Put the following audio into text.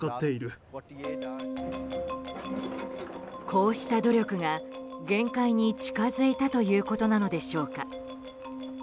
こうした努力が限界に近づいたということなのでしょうか。